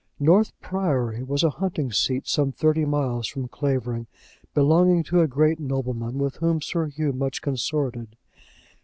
North Priory was a hunting seat some thirty miles from Clavering, belonging to a great nobleman with whom Sir Hugh much consorted.